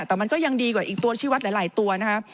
แต่มันก็ยังดีกว่าอีกตัวชีวัตรหลายตัวนะครับ